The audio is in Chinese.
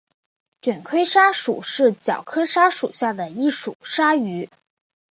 卷盔鲨属是角鲨科下的一属鲨鱼。